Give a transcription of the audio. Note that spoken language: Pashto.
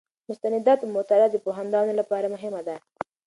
د مستنداتو مطالعه د پوهاندانو لپاره مهمه ده.